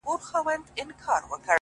خوب كي گلونو ســـره شپـــــې تېــروم،